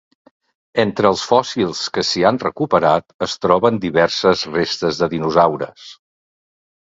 Entre els fòssils que s'hi han recuperat es troben diverses restes de dinosaures.